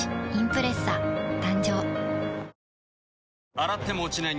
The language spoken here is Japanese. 洗っても落ちない